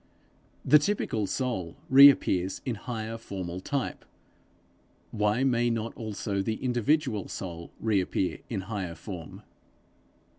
The typical soul reappears in higher formal type; why may not also the individual soul reappear in higher form?